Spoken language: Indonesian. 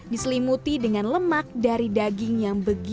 diselimuti dengan lemak dari daging yang begitu